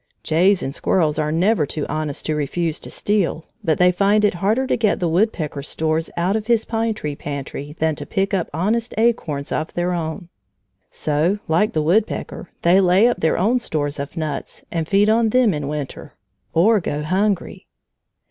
Jays and squirrels are never too honest to refuse to steal, but they find it harder to get the woodpecker's stores out of his pine tree pantry than to pick up honest acorns of their own. So, like the woodpecker, they lay up their own stores of nuts, and feed on them in winter, or go hungry.